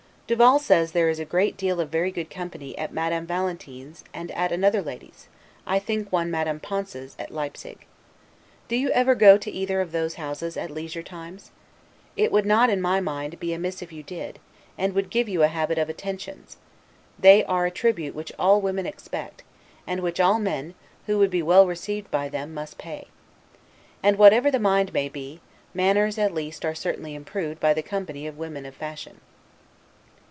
Duval says there is a great deal of very good company at Madame Valentin's and at another lady's, I think one Madame Ponce's, at Leipsig. Do you ever go to either of those houses, at leisure times? It would not, in my mind, be amiss if you did, and would give you a habit of ATTENTIONS; they are a tribute which all women expect; and which all men, who would be well received by them; must pay. And, whatever the mind may be, manners at least are certainly improved by the company of women of fashion.